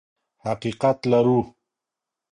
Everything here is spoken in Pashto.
حقیقت لرو.